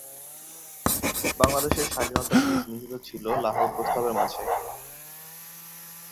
বাংলাদেশের স্বাধীনতার বীজ নিহিত ছিলো লাহোর প্রস্তাবের মাঝে।